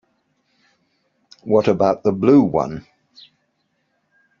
What about the blue one?